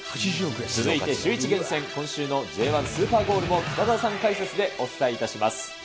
続いてシューイチ厳選、今週のＪ１スーパーゴールも、北澤さん解説でお伝えいたします。